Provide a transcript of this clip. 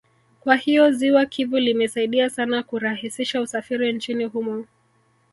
Kwa hiyo ziwa Kivu limesaidia sana kurahisisha usafiri nchini humo